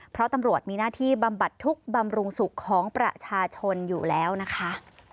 เพราะตำรวจมีหน้าที่บำบัดทุกข์บำรุงสุขของประชาชนอยู่แล้วนะคะ